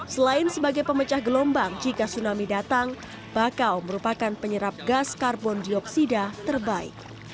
selain sebagai pemecah gelombang jika tsunami datang bakau merupakan penyerap gas karbon dioksida terbaik